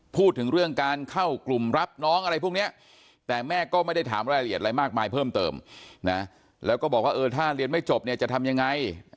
พูดถึงเรื่องการเข้ากลุ่มรับน้องอะไรพวกนี้แต่แม่ก็ไม่ได้ถามรายละเอียดอะไรมากมายเพิ่มเติมนะแล้วก็บอกว่าเออถ้าเรียนไม่จบเนี่ยจะทำยังไง